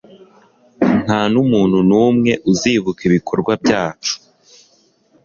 nta n'umuntu n'umwe uzibuka ibikorwa byacu